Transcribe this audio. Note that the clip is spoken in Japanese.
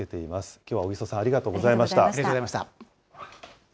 きょうは小木曽さん、ありがとうございました。